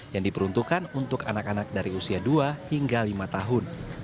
yang diperuntukkan untuk anak anak dari usia dua hingga lima tahun